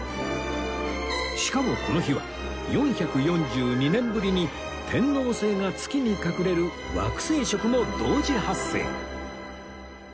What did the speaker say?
しかもこの日は４４２年ぶりに天王星が月に隠れる惑星食も同時発生